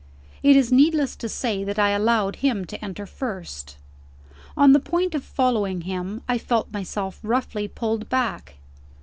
It is needless to say that I allowed him to enter first. On the point of following him, I felt myself roughly pulled back.